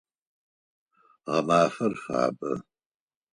Гъэмафэр фабэ.